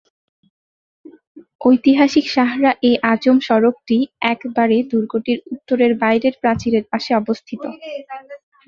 ঐতিহাসিক শাহরা-এ-আজম সড়কটি একবারে দুর্গটির উত্তরের বাইরের প্রাচীরের পাশে অবস্থিত।